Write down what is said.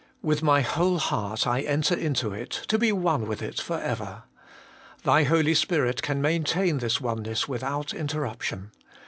With my whole heart I enter into it, to be one with it for ever. Thy Holy Spirit can maintain this oneness without interruption.